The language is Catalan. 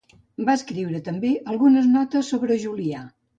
Va escriure també algunes notes sobre Julià.